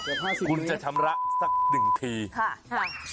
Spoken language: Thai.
เกือบ๕๐เมตรนี้คุณจะชำระสักหนึ่งทีค่ะค่ะ